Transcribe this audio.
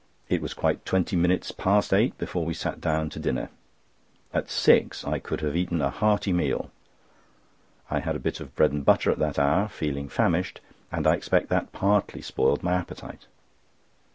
It was quite twenty minutes past eight before we sat down to dinner. At six I could have eaten a hearty meal. I had a bit of bread and butter at that hour, feeling famished, and I expect that partly spoiled my appetite.